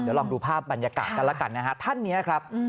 เดี๋ยวลองดูภาพบรรยากาศกันท่านนะครับ